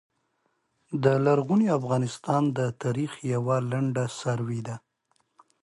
د لرغوني افغانستان د تاریخ یوع لنډه سروې ده